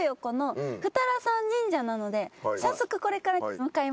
早速これから向かいましょう。